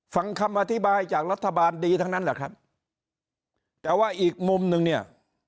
ฟังคำอธิบายจากรัฐบาลดีทั้งนั้นแหละครับแต่ว่าอีกมุมนึงเนี่ย